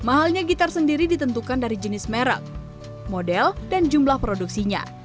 mahalnya gitar sendiri ditentukan dari jenis merek model dan jumlah produksinya